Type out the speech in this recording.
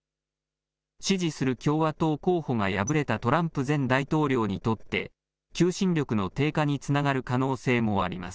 支持する共和党候補が敗れたトランプ前大統領にとって、求心力の低下につながる可能性もあります。